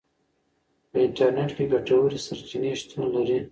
په انټرنیټ کې ګټورې سرچینې شتون لري.